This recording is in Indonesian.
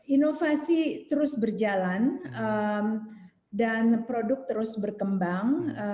inovasi terus berjalan dan produk terus berkembang